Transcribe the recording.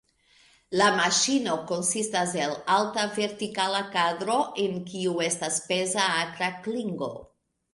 La maŝino konsistas el alta vertikala kadro, en kiu estas peza akra klingo.